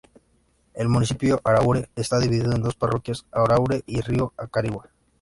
El Municipio Araure está dividido en dos parroquias, Araure y Rio Acarigua.